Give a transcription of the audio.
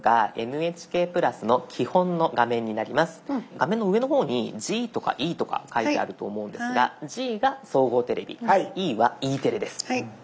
画面の上の方にＧとかＥとか書いてあると思うんですがＧが総合テレビＥはＥテレです。